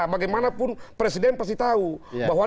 bagaimanapun presiden pasti tahu bahwa